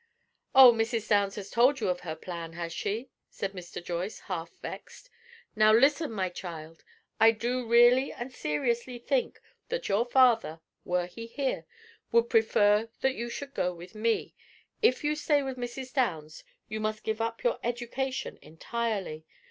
"Oh, Mrs. Downs has told you of her plan, has she," said Mr. Joyce, half vexed. "Now, listen, my child. I do really and seriously think that your father, were he here, would prefer that you should go with me. If you stay with Mrs. Downs, you must give up your education entirely.